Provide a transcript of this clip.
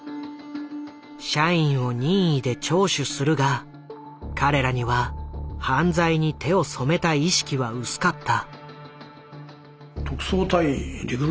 社員を任意で聴取するが彼らには犯罪に手を染めた意識は薄かった。